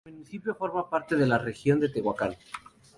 El municipio forma parte de la región de Tehuacán.